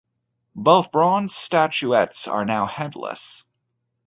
Both bronze statuettes are now headless.